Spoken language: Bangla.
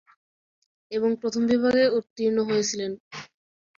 এবং প্রথম বিভাগে উত্তীর্ণ হয়েছিলেন।